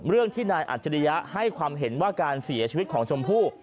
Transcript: เรื่องที่นายอัจฉริยะให้ความเห็นว่าการเสียชีวิตของชมพู่